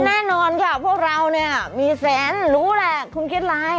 แน่นอนค่ะพวกเราเนี่ยมีแสนรู้แหละคุณคิดอะไร